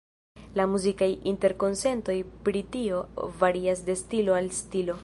La muzikaj interkonsentoj pri tio varias de stilo al stilo.